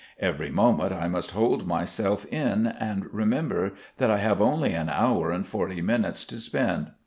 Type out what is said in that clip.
Every moment I must hold myself in and remember that I have only an hour and forty minutes to spend.